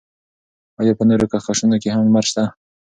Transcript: ایا په نورو کهکشانونو کې هم لمر شته؟